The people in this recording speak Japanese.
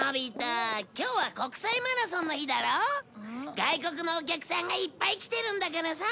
外国のお客さんがいっぱい来てるんだからさ。